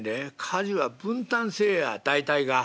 家事は分担制や大体が」。